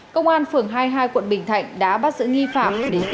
công an phường hai mươi hai quận bình thạnh đã bắt giữ nghi phạm để tiếp tục điều tra làm rõ